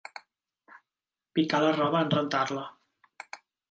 Picar la roba en rentar-la.